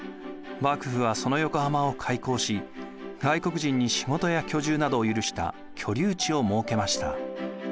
幕府はその横浜を開港し外国人に仕事や居住などを許した居留地を設けました。